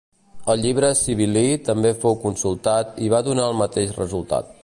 El Llibre sibil·lí també fou consultat i va donar el mateix resultat.